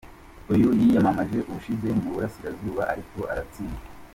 Uyu yiyamamaje ubushize mu Burasirazuba ariko aratsindwa.